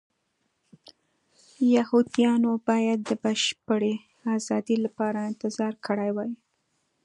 یهودیانو باید د بشپړې ازادۍ لپاره انتظار کړی وای.